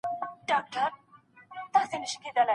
ښوونکي تر بل هر چا ښه زموږ پاڼه وړاندي کړه.